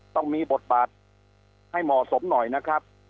ต้องมีบทบาทให้เหมาะสมหน่อยนะครับ